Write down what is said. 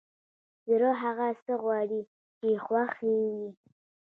زړه هغه څه غواړي چې خوښ يې وي!